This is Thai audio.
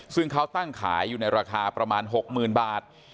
ซึ่งเขาตั้งขายอยู่ในราคาประมาณ๖๐๐๐บาท